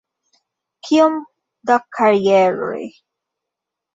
Kiom da kajeroj?